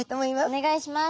お願いします。